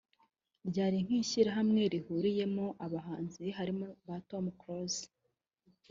ryari nk’ishyirahamwe rihuriyemo abahanzi harimo ba Tom Close